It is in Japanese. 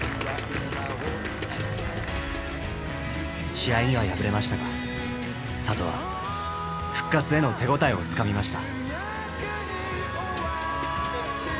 試合には敗れましたが里は復活への手応えをつかみました。